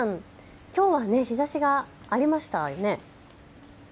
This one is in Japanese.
きょうは日ざしがありましたよね。